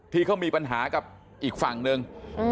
ที่เขามีปัญหากับอีกฝั่งหนึ่ง